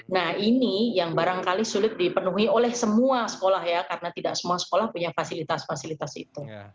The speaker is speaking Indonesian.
nah ini yang barangkali sulit dipenuhi oleh semua sekolah ya karena tidak semua sekolah punya fasilitas fasilitas itu